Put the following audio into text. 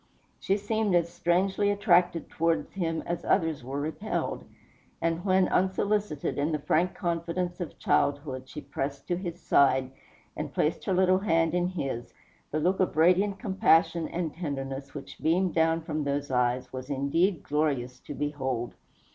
She seemed as strangely attracted towards him as others were repelled; and when, unsolicited, in the frank confidence of childhood she pressed to his side, and placed her little hand in his, the look of radiant compassion and tenderness which beamed down from those eyes was indeed glorious to behold.